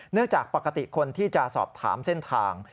จากปกติคนที่จะสอบถามเส้นทาง